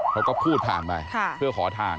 เขาก็พูดผ่านไปเพื่อขอทาง